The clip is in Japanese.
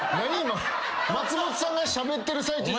今松本さんがしゃべってる最中。